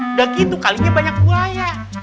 udah gitu kalinya banyak buaya